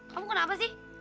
kamu kenapa sih